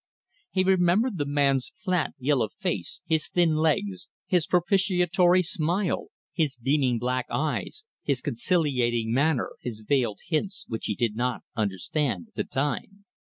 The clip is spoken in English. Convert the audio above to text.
He remembered the man's flat, yellow face, his thin legs, his propitiatory smile, his beaming black eyes, his conciliating manner, his veiled hints which he did not understand at the time.